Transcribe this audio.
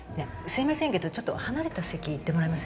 すいませんけどちょっと離れた席行ってもらえません？